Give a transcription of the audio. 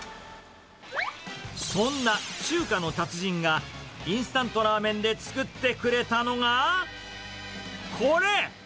そんな中華の達人が、インスタントラーメンで作ってくれたのが、これ。